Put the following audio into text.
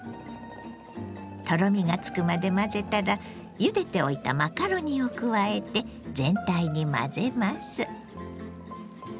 とろみがつくまで混ぜたらゆでておいたマカロニを加えて全体に混ぜます。